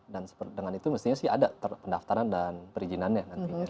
dan dengan itu mestinya sih ada pendaftaran dan perizinannya nanti